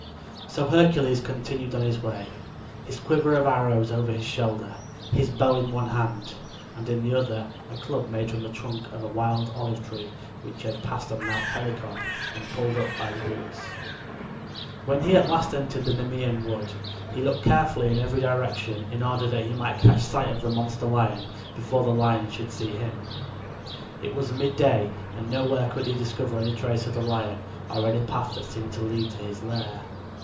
So Hercules continued on his way, his quiver of arrows over his shoulder, his bow in one hand, and in the other a club made from the trunk of a wild olive tree which he had passed on Mount Helicon and pulled up by the roots. When he at last entered the Nemean wood, he looked carefully in every direction in order that he might catch sight of the monster lion before the lion should see him. It was mid day, and nowhere could he discover any trace of the lion or any path that seemed to lead to his lair.